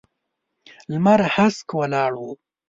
لمر هسک ولاړ و.